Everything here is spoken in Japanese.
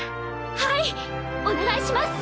はいお願いします！